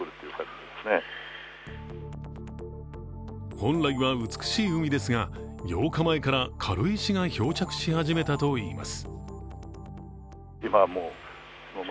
本来は美しい海ですが、８日前から軽石が漂着し始めたといいます。